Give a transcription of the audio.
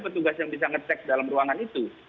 petugas yang bisa ngecek dalam ruangan itu